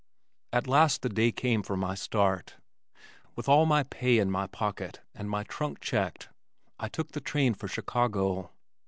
At last the day came for my start. With all my pay in my pocket and my trunk checked I took the train for Chicago.